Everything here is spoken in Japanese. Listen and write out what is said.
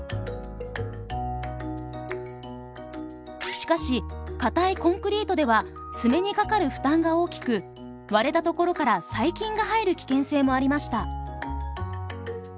しかし固いコンクリートでは爪にかかる負担が大きく割れたところから細菌が入る危険性もありました。